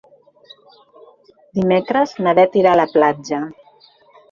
Dimecres na Beth irà a la platja.